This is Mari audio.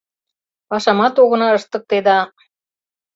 Пашамат огына ыштыкте да...